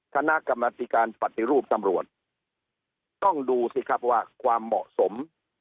คณะกรรมธิการปฏิรูปตำรวจต้องดูสิครับว่าความเหมาะสม